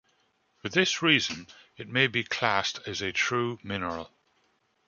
For this reason, it may be classed as a true mineral.